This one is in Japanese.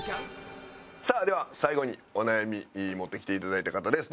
さあでは最後にお悩み持ってきていただいた方です。